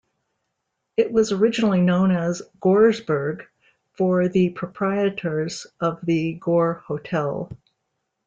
It was originally known as "Goresburgh" for the proprietors of the Gore Hotel.